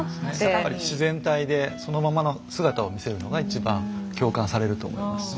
やっぱり自然体でそのままの姿を見せるのが一番共感されると思いますね。